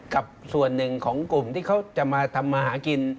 กับส่วนหนึ่งของกลุ่มที่เขาจะมาทำมาหากิน